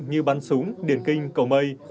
như bắn súng điển kinh cầu mây